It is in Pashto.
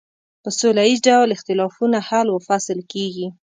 په سوله ایز ډول اختلافونه حل و فصل کیږي.